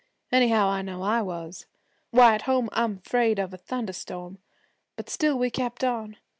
Anyhow, I know I was. Why, at home I'm 'fraid of a thunderstorm. But still we kept on.